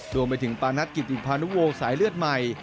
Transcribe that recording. รวมไปถึงปารักษณ์กิจอิมพานุโวสายเลือดใหม่